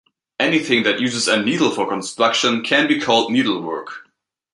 Anything that uses a needle for construction can be called needlework.